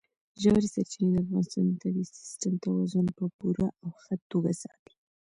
ژورې سرچینې د افغانستان د طبعي سیسټم توازن په پوره او ښه توګه ساتي.